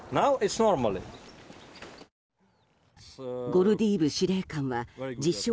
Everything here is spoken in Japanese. ゴルディーブ司令官は自称